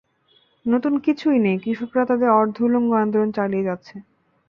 নতুন কিছু নেই, কৃষকরা তাদের অর্ধ-উলঙ্গ আন্দোলন চালিয়ে যাচ্ছে।